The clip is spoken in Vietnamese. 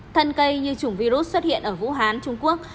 thân cây như chủng virus xuất hiện ở vũ hán trung quốc